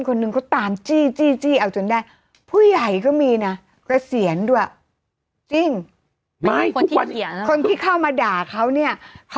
เขาก็จะเอาเลือกเป็นความใหญ่